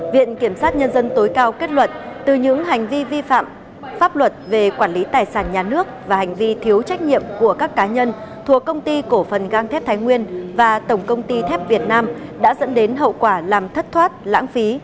viện kiểm sát nhân dân tối cao kết luận từ những hành vi vi phạm pháp luật về quản lý tài sản nhà nước và hành vi thiếu trách nhiệm của các cá nhân thuộc công ty cổ phần gang thép thái nguyên và tổng công ty thép việt nam đã dẫn đến hậu quả làm thất thoát lãng phí